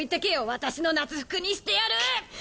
私の夏服にしてやる！